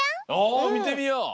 おおみてみよう！